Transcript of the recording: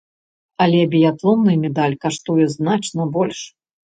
Але біятлонны медаль каштуе значна больш.